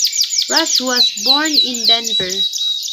Rush was born in Denver.